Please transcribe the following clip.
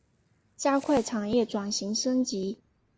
加快产业转型升级